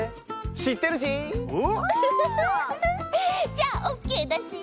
じゃあオッケーだし！